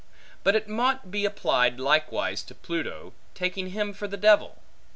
But it mought be applied likewise to Pluto, taking him for the devil.